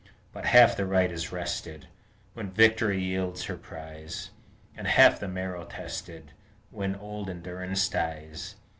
But half the right is wrested When victory yields her prize, And half the marrow tested When old endurance dies.